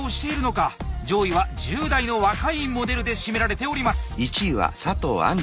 上位は１０代の若いモデルで占められております。